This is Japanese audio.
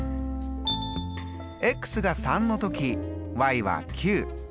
が３の時は９。